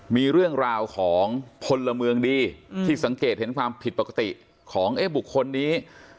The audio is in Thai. มีเรื่องราวของพลเมืองดีที่สังเกตเห็นความผิดปกติของบุคคลนี้